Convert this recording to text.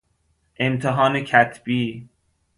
امتحان کتبی